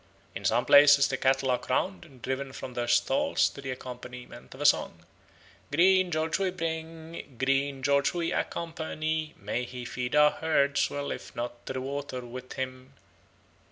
In some places the cattle are crowned and driven from their stalls to the accompaniment of a song: "Green George we bring, Green George we accompany, May he feed our herds well. If not, to the water with him."